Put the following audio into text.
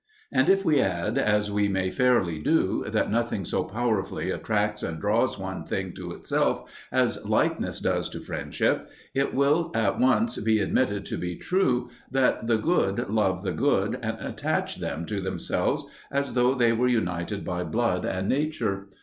And if we add, as we may fairly do, that nothing so powerfully attracts and draws one thing to itself as likeness does to friendship, it will at once be admitted to be true that the good love the good and attach them to themselves as though they were united by blood and nature.